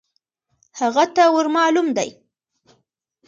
هغه ته ور مالوم دی .